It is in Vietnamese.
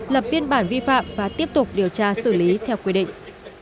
lập biên bản vi phạm và tiếp tục điều tra xử lý theo quy định